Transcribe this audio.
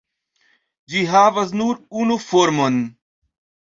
Ĝi havas nur unu formon.